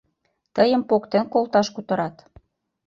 Тыйым поктен колташ кутырат.